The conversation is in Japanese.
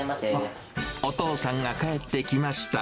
お父さんが帰ってきました。